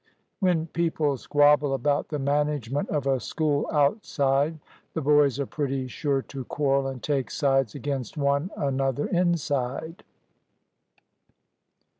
When people squabble about the management of a school outside, the boys are pretty sure to quarrel and take sides against one another inside.